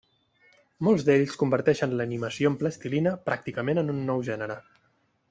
Molts d'ells converteixen l'animació amb plastilina pràcticament en un nou gènere.